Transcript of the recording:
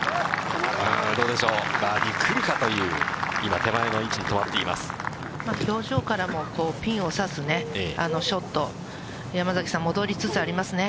どうでしょう、バーディーくるかという、今、手前の位置に止まっ表情からも、ピンを刺すショット、山崎さん、戻りつつありますね。